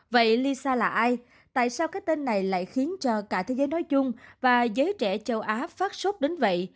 vậy lisa là ai tại sao cái tên này lại khiến cho cả thế giới nói chung và giới trẻ châu á phát sốc đến vậy